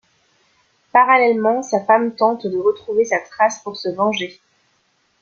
Parallèlement, sa femme tente de retrouver sa trace pour se venger.